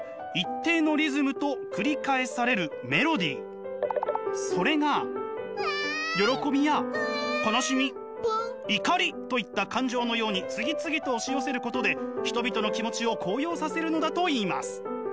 アランによればそれが喜びや悲しみ怒りといった感情のように次々と押し寄せることで人々の気持ちを高揚させるのだといいます。